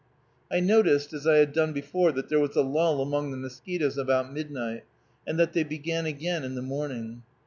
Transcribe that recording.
I noticed, as I had done before, that there was a lull among the mosquitoes about midnight, and that they began again in the morning.